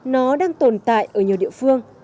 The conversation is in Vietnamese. nó đang tồn tại ở nhiều địa phương